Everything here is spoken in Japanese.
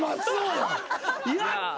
やった！